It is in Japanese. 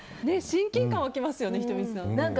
親近感湧きますよね仁美さん。